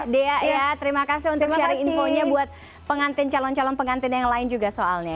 dea ya terima kasih untuk sharing infonya buat pengantin calon calon pengantin yang lain juga soalnya